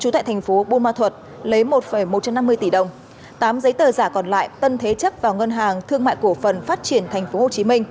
tân đã lấy một một trăm năm mươi tỷ đồng tám giấy tờ giả còn lại tân thế chất vào ngân hàng thương mại cổ phần phát triển tp hcm